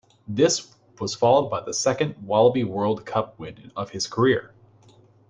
This was followed by the second Wallaby World Cup win of his career.